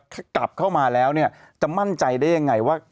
ถ้ากลับเข้ามาแล้วเนี่ยจะมั่นใจได้ยังไงว่า